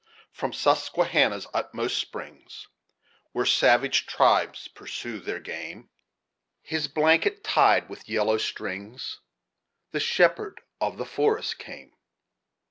"From Sesquehanna's utmost springs, Where savage tribes pursue their game, His blanket tied with yellow strings, The shepherd of the forest came."